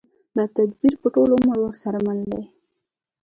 دا تدبير به ټول عمر ورسره مل وي.